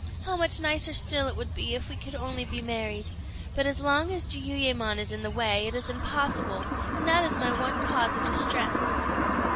How much nicer still it would be if we could only be married. But, as long as Jiuyémon is in the way, it is impossible; and that is my one cause of distress."